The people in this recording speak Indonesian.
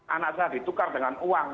anak saya ditukar dengan uang